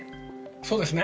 そうですね